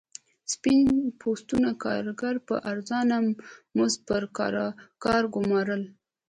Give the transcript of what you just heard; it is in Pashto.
سپین پوستو کارګر په ارزانه مزد پر کار ګومارل.